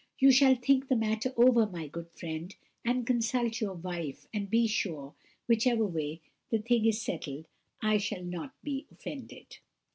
You shall think the matter over, my good friend, and consult your wife; and be sure, whichever way the thing is settled, I shall not be offended."